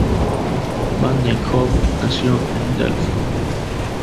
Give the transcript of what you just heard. Van den Hove nació en Delft.